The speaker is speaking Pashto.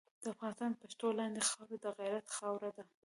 د افغان د پښو لاندې خاوره د غیرت خاوره ده.